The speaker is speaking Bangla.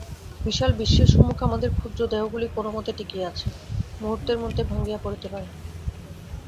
বিশাল বিশ্বের সম্মুখে আমাদের ক্ষু্দ্র দেহগুলি কোনমতে টিকিয়া আছে, মুহূর্তমধ্যে ভাঙিয়া পড়িতে পারে।